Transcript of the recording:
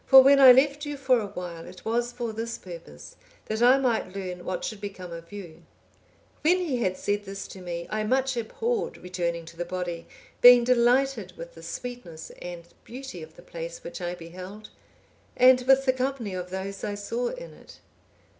For when I left you for awhile, it was for this purpose, that I might learn what should become of you.' When he had said this to me, I much abhorred returning to the body, being delighted with the sweetness and beauty of the place which I beheld, and with the company of those I saw in it.